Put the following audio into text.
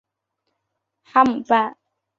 哈姆畔。